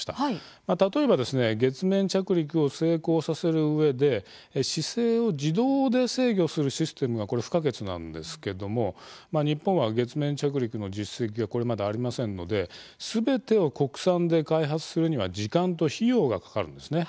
例えば月面着陸を成功させるうえで姿勢を自動で制御するシステムはこれ不可欠なんですけども日本は月面着陸の実績はこれまで、ありませんのですべてを国産で開発するには時間と費用がかかるんですね。